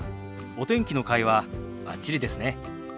お天気の会話バッチリですね。